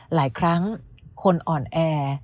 หลายครั้งคนอ่อนแอ